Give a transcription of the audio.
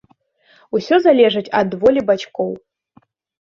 Усё залежыць ад волі бацькоў.